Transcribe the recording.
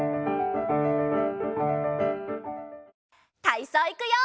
たいそういくよ！